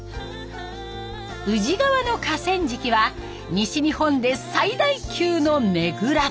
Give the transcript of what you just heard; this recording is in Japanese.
宇治川の河川敷は西日本で最大級のねぐら。